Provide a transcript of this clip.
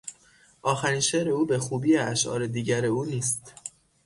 آخرین شعر او به خوبی اشعار دیگر او نیست.